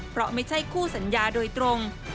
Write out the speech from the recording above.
เพราะไม่ใช่คู่สัญญาโดยตรง